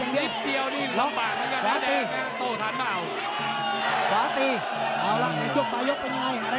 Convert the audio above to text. หายใจไม่ทันเหมือนกันนะเด็กเกียงไก่หายใจไม่ทันเหมือนกันนะ